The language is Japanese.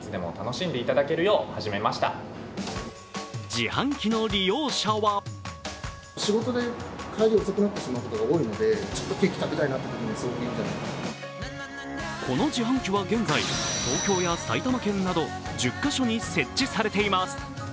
自販機の利用者はその自販機は現在、東京や埼玉県など１０か所に設置されています。